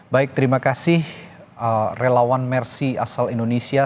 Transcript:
baik terima kasih relawan mercy asal indonesia